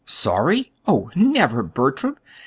"Sorry! Oh, never, Bertram!